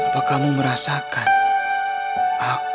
hai terima kasih banyak